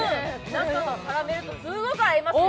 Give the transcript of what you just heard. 中のカラメルとすごく合いますよ。